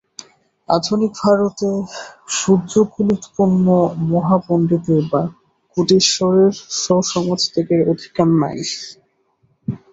আধুনিক ভারতে শূদ্রকুলোৎপন্ন মহাপণ্ডিতের বা কোটীশ্বরের স্বসমাজত্যাগের অধিকার নাই।